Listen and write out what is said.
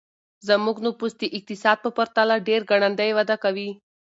زموږ نفوس د اقتصاد په پرتله ډېر ګړندی وده کوي.